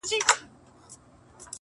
• په جهان کي به خوره وره غوغا سي..